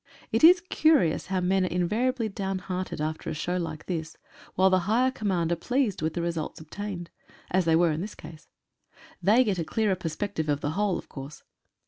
It is curious how men are invari ably downhearted after a show like this, while the higher command are pleased with the result obtained, as they were in this case. They get a clearer perspective of the whole, of course.